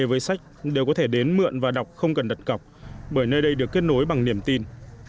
với sách đều có thể đến mượn và đọc không cần đặt cọc bởi nơi đây được kết nối bằng niềm tin